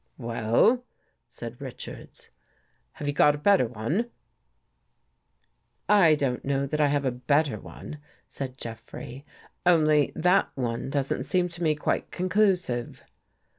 I "Well," said Richards, "have you got a better one?" " I don't know that I have a better one," said Jeffrey, " only that one doesn't seem to me quite conclusive."